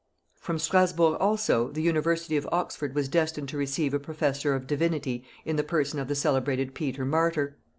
From Strasburg also the university of Oxford was destined to receive a professor of divinity in the person of the celebrated Peter Martyr.